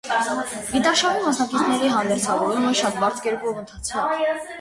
Գիտարշավի մասնակիցների հանդերձավորումը շատ բարդ կերպով ընթացավ։